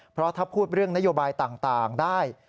เพราะถ้าพูดเรื่องนโยบายต่างได้